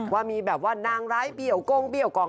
ว่ามีแบบว่านางร้ายเบี้ยวก้งเบี้ยกอง